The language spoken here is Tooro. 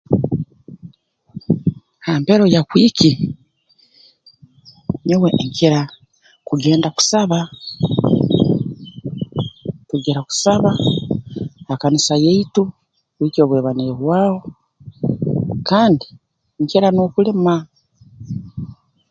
Ha mpero ya kwiiki nyowe ninkira kugenda kusaba tugira kusaba ha kanisa yaitu kuhikya obu eba neehwaho kandi nkira n'okulima